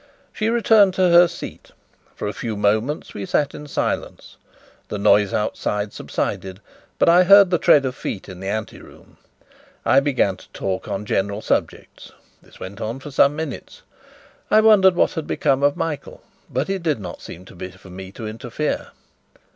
She returned to her seat. For a few moments we sat in silence. The noise outside subsided, but I heard the tread of feet in the ante room. I began to talk on general subjects. This went on for some minutes. I wondered what had become of Michael, but it did not seem to be for me to interfere.